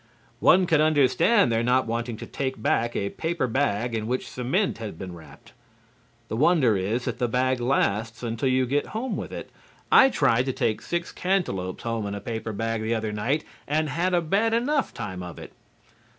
One can understand their not wanting to take back a paper bag in which cement has been wrapped. The wonder is that the bag lasts until you get home with it. I tried to take six cantaloups home in a paper bag the other night and had a bad enough time of it.